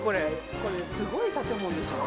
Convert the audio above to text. これ、すごい建物でしょう。